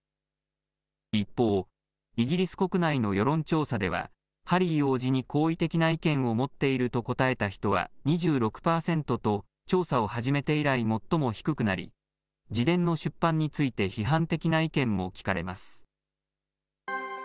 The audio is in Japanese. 一方、イギリス国内の世論調査では、ハリー王子に好意的な意見を持っていると答えた人は２６％と、調査を始めて以来、最も低くなり、自伝の出版について批判的な意見も聞かれます。